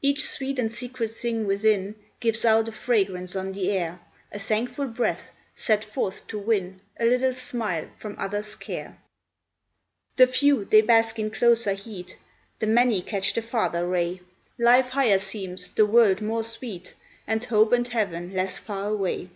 Each sweet and secret thing within Gives out a fragrance on the air, A thankful breath, sent forth to win A little smile from others' care. The few, they bask in closer heat; The many catch the farther ray. Life higher seems, the world more sweet, And hope and Heaven less far away.